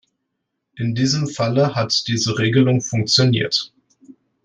In diesem Falle hat diese Regelung funktioniert.